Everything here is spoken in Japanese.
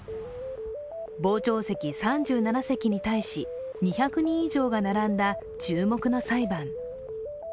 傍聴席３７席に対し、２００人以上が並んだ注目の裁判。